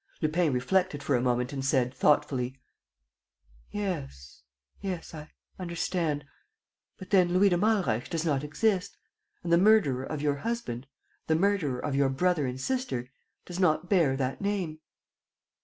Lupin reflected for a moment and said, thoughtfully: "Yes ... yes ... I understand. ... But then Louis de Malreich does not exist; and the murderer of your husband, the murderer of your brother and sister, does not bear that name.